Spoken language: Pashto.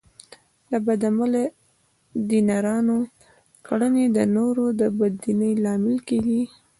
د بد عمله دیندارانو کړنې د نورو د بې دینۍ لامل کېږي.